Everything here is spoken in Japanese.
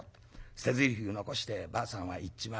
捨てぜりふ残してばあさんは行っちまう。